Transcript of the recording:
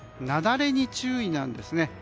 雪崩に注意なんですね。